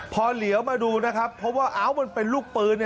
พอเหลียวมาดูนะครับเพราะว่ามันเป็นลูกปืน